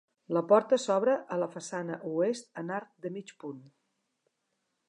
La porta s'obre a la façana oest en arc de mig punt.